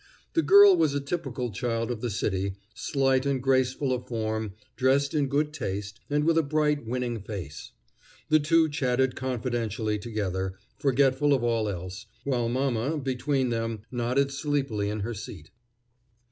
The girl was a typical child of the city, slight and graceful of form, dressed in good taste, and with a bright, winning face. The two chatted confidentially together, forgetful of all else, while mama, between them, nodded sleepily in her seat.